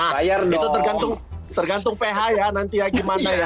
nah itu tergantung ph ya nanti gimana ya